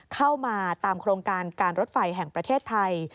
เข้ามาตามโครงการการรถไฟแห่งประเทศไทย